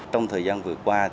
trong thời gian vừa qua